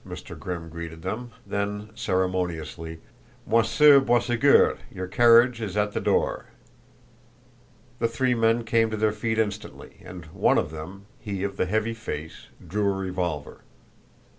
Mr. Grimm greeted them, then ceremoniously: "Monsieur Boisségur, your carriage is at the door." The three men came to their feet instantly, and one of them he of the heavy face drew a revolver.